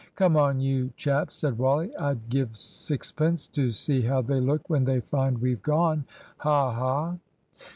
"Come on, you chaps," said Wally. "I'd give sixpence to see how they look when they find we've gone ha! ha!"